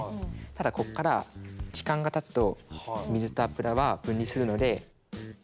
ただここから時間がたつと水と油は分離するので。